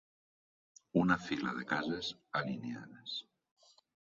Una fila de cases alineades.